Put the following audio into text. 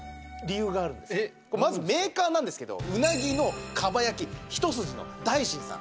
まずメーカーなんですけどうなぎのかば焼きひと筋の大新さん。